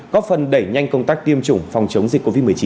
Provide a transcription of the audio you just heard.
góp phần đẩy nhanh công tác tiêm chủng phòng chống dịch covid một mươi chín